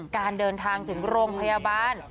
การเดินทางถึงโรงพยาบาล